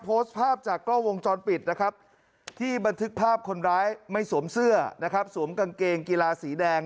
โพสต์ภาพจากกล้องวงจรปิดนะครับที่บันทึกภาพคนร้ายไม่สวมเสื้อนะครับสวมกางเกงกีฬาสีแดง